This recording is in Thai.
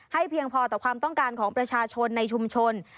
เพียงพอต่อความต้องการของประชาชนในชุมชน